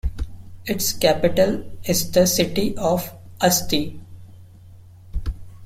Its capital is the city of Asti.